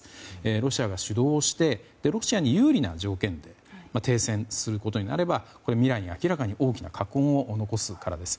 ロシアが主導してロシアに有利な条件で停戦することになれば未来に大きな禍根を残すことになるからです。